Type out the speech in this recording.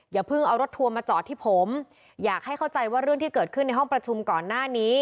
อย่าเพิ่งเอารถทัวร์มาจอดที่ผมอยากให้เข้าใจว่าเรื่องที่เกิดขึ้นในห้องประชุมก่อนหน้านี้